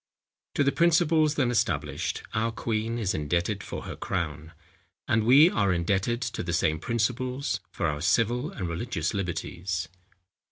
To the principles then established, our queen is indebted for her crown; and we are indebted to the same principles, for our civil and religious liberties.